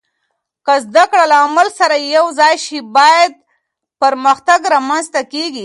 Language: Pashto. که زده کړه له عمل سره یوځای شي، پایدار پرمختګ رامنځته کېږي.